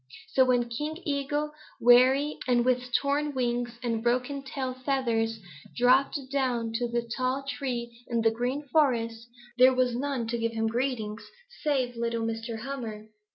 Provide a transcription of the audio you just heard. So when King Eagle, weary and with torn wings and broken tail feathers, dropped down to the tall tree in the Green Forest, there was none to give him greeting save little Mr. Hummer.